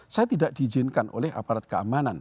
saya tidak diizinkan oleh aparat keamanan